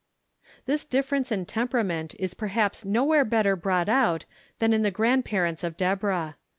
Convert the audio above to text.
This difference in temperament is perhaps nowhere WHAT IT MEANS 63 better brought out than in the grandparents of Debo rah.